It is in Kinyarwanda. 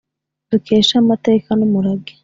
dukesha amateka n’umurage.